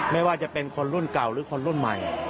ไม่ว่าจะเป็นคนรุ่นเก่าหรือคนรุ่นใหม่